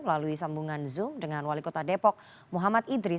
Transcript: melalui sambungan zoom dengan wali kota depok muhammad idris